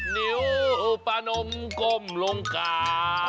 ๑๐นิ้วปะนมกมลงกา